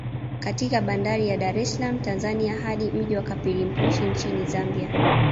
Katika bandari ya Dar es salaam Tanzania hadi mji wa Kapirimposhi Nchini Zambia